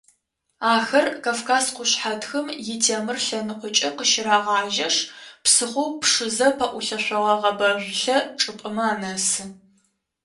Ахэр Кавказ къушъхьэтхым итемыр лъэныкъокӏэ къыщырагъажьэшъ, псыхъоу Пшызэ пэӏулъэшъогъэ гъэбэжъулъэ чӏыпӏэмэ анэсы.